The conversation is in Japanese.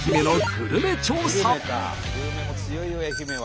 グルメも強いよ愛媛は。